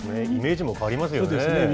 イメージも変わりますよね。